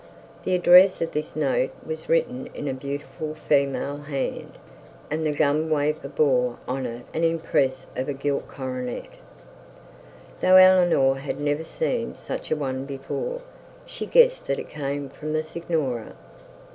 The address of this note was written in a beautiful female hand, and the gummed wafer bore on it an impress of a gilt coronet. Though Eleanor had never seen such a one before, she guessed that it came from the signora.